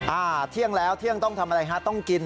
อ่าเที่ยงแล้วเที่ยงต้องทำอะไรฮะต้องกิน